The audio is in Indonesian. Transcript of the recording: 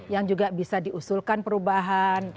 yang juga bisa diusulkan perubahan